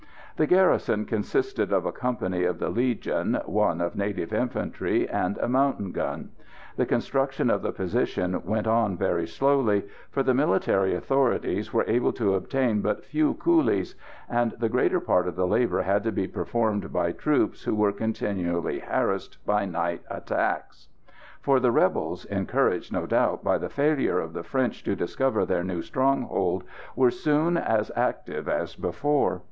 The garrison consisted of a company of the Legion, one of native infantry, and a mountain gun. The construction of the position went on very slowly, for the military authorities were able to obtain but few coolies, and the greater part of the labour had to be performed by troops who were continually harassed by night attacks; for the rebels, encouraged, no doubt, by the failure of the French to discover their new stronghold, were soon as active as before.